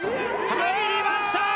入りました！